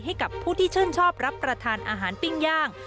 ให้กับผู้ที่ชื่นชอบรับประทานอาหารปิ้งย่าง